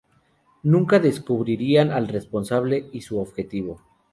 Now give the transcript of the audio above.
Nunca descubrirán al responsable y su objetivo.